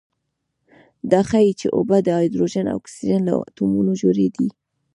دا ښيي چې اوبه د هایدروجن او اکسیجن له اتومونو جوړې دي.